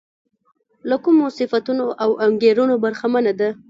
له کومو صفتونو او انګېرنو برخمنه ده.